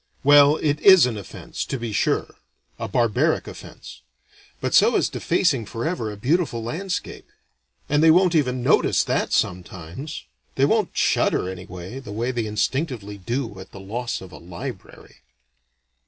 Well, it is an offense to be sure a barbaric offense. But so is defacing forever a beautiful landscape; and they won't even notice that sometimes; they won't shudder anyway, the way they instinctively do at the loss of a "library."